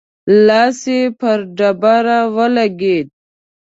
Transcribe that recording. لاس يې پر ډبره ولګېد.